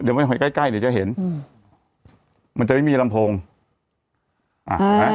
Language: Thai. เดี๋ยวมันใกล้ใกล้เดี๋ยวจะเห็นอืมมันจะไม่มีลำโพงอ่าไหม